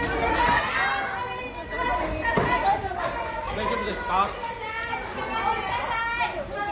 大丈夫ですか？